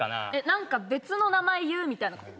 何か別の名前言うみたいなこと？